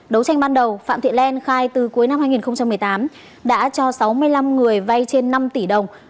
đấu tranh ban đầu phạm thị len khai từ cuối năm hai nghìn một mươi tám đã cho sáu mươi năm người vay trên năm tỷ đồng